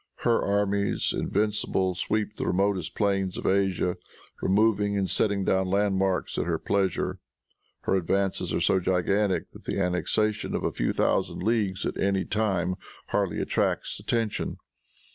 Her armies, invincible, sweep the remotest plains of Asia, removing and setting down landmarks at her pleasure. Her advances are so gigantic that the annexation of a few thousand leagues, at any time, hardly attracts attention.